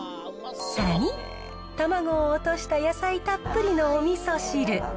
さらに、卵を落とした野菜たっぷりのおみそ汁。